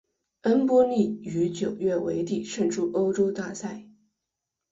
恩波利于九月尾底胜出欧洲大赛。